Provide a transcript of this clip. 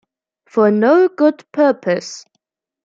For no good purpose.